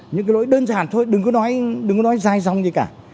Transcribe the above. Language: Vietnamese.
những cái lỗi đơn giản thôi đừng có nói dai dòng gì cả